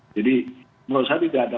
jadi menurut saya tidak ada